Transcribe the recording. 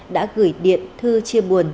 đã gửi điện thư chia buồn